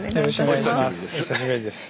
お久しぶりです。